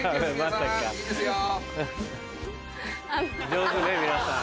上手ね皆さん。